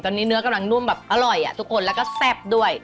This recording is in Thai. ตอนนี้เนื้อกำลังนุ่มแบบอร่อยอ่ะทุกคนแล้วก็แซ่บด้วย